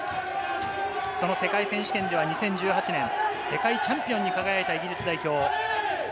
その世界選手権では２０１８年、世界チャンピオンに輝いたイギリス代表。